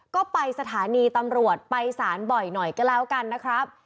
ก็ไปสถานีตำรวจไปสารบ่อยหน่อยก็แล้วกันนะครับ